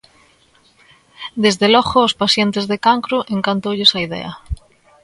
Desde logo, aos pacientes de cancro encantoulles a idea.